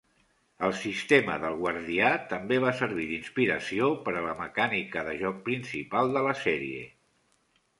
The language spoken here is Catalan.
El sistema del guardià també va servir d'inspiració per a la mecànica de joc principal de la sèrie.